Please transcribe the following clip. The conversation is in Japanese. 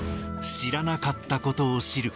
知らなかったことを知る。